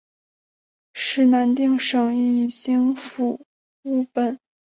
潘善念是南定省义兴府务本县果灵社出生。